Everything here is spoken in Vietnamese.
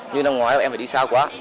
nói là em phải đi xa quá